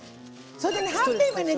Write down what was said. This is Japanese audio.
それでねはんぺんはね